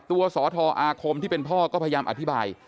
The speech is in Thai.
สทอาคมที่เป็นพ่อก็พยายามอธิบาย